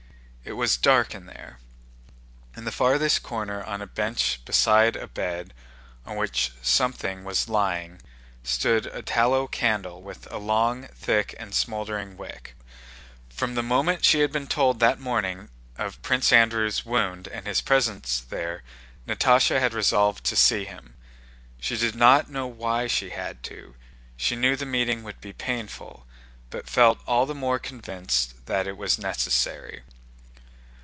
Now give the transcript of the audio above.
It was dark in there. In the farthest corner, on a bench beside a bed on which something was lying, stood a tallow candle with a long, thick, and smoldering wick. From the moment she had been told that morning of Prince Andrew's wound and his presence there, Natásha had resolved to see him. She did not know why she had to, she knew the meeting would be painful, but felt the more convinced that it was necessary.